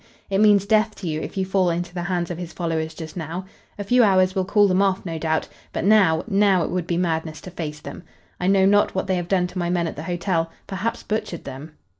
It means death to you if you fall into the hands of his followers just now. A few hours will cool them off, no doubt, but now now it would be madness to face them. I know not what they have done to my men at the hotel perhaps butchered them."